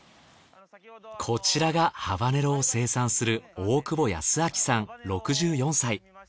こちらがハバネロを生産する大久保泰明さん６４歳。